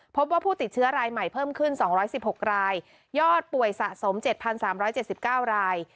พบว่าผู้ติดเชื้อรายใหม่เพิ่มขึ้น๒๑๖รายยอดป่วยสะสม๗๓๗๙ราย